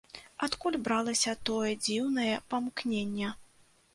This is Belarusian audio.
Адкуль бралася тое дзіўнае памкненне?